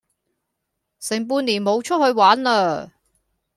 成半年冇出去玩喇